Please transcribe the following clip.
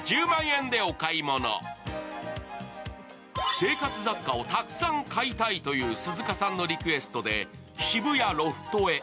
生活雑貨をたくさん買いたいという鈴鹿さんのリクエストで渋谷ロフトへ。